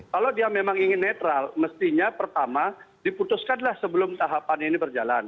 kalau dia memang ingin netral mestinya pertama diputuskanlah sebelum tahapan ini berjalan